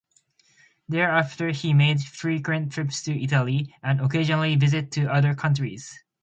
Thereafter, he made frequent trips to Italy, and occasional visits to other countries.